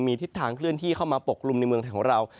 มีทิศทางเคลื่อนที่เข้ามาปกกลุ่มในเมืองไทยของเรา